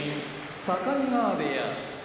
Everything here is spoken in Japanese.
境川部屋